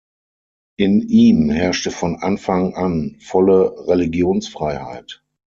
In ihm herrschte von Anfang an volle Religionsfreiheit.